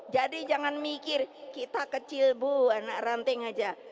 jadi jangan mikir kita kecil bu anak ranting saja